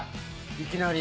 いきなり。